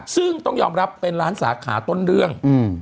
ซึ่งต้องยอมรับเป็นล้านสาขาต้นเรื่อง